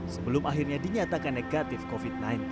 sebelum akhirnya dinyatakan negatif covid sembilan belas